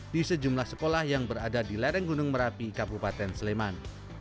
di sejumlah sekolah yang berada di lereng gunung merapi kabupaten sleman